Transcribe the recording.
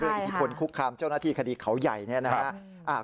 อิทธิพลคุกคามเจ้าหน้าที่คดีเขาใหญ่เนี่ยนะครับ